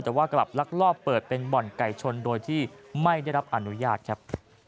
แต่ว่ากลับลักลอบเปิดเป็นบ่อนไก่ชนโดยที่ไม่ได้รับอนุญาตครับ